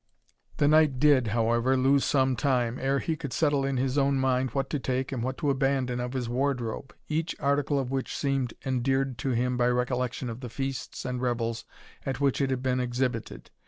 The knight did, however, lose some time, ere he could settle in his own mind what to take and what to abandon of his wardrobe, each article of which seemed endeared to him by recollection of the feasts and revels at which it had been exhibited.